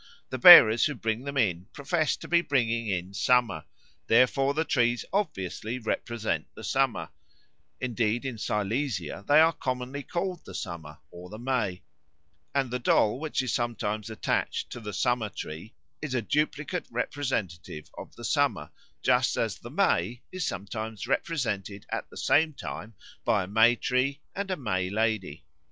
The bearers who bring them in profess to be bringing in the Summer, therefore the trees obviously represent the Summer; indeed in Silesia they are commonly called the Summer or the May, and the doll which is sometimes attached to the Summer tree is a duplicate representative of the Summer, just as the May is sometimes represented at the same time by a May tree and a May Lady.